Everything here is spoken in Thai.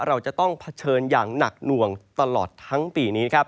เราจะต้องเผชิญอย่างหนักหน่วงตลอดทั้งปีนี้ครับ